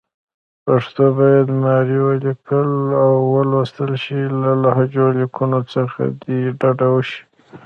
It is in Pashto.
پښتو باید معیاري ولیکل او ولوستل شي، له لهجوي لیکنو څخه دې ډډه وشي.